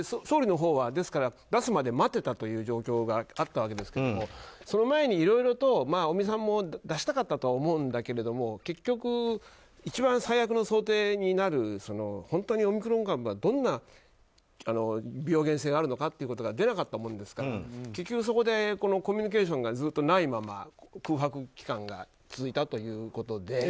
総理のほうは、ですから出すまで待ってたという状況があったわけですがその前にいろいろと尾身さんも出したかったとは思うんだけれども結局、一番最悪の想定になる本当にオミクロン株がどんな病原性があるのかが出なかったもんですから結局そこでコミュニケーションがずっとないまま空白期間が続いたということで。